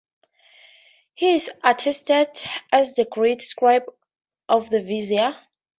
He is attested as the Great Scribe of the Vizier.